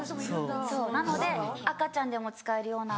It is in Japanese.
そうなので赤ちゃんでも使えるような。